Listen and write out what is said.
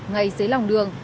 ngay dưới lòng đường